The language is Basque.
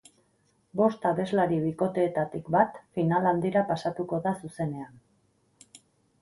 Bost abeslari bikoteetatik bat final handira pasatuko da zuzenean.